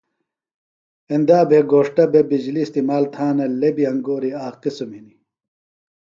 ایندا بھے گھوݜٹہ بےۡ بِجلیۡ استعمال تھانہ لےۡ بیۡ انگوری آک قسم ہنیۡ۔